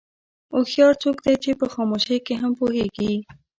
هوښیار څوک دی چې په خاموشۍ کې هم پوهېږي.